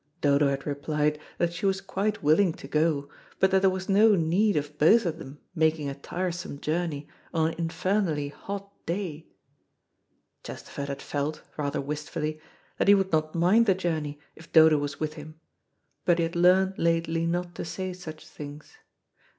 Dodo had replied that she was quite willing to go, but that there was no need of both of them making a tiresome journey on an infernally hot day. Chesterford had felt, rather wistfully, that he would not mind the journey if Dodo was with him, but he had learned lately not to say such things.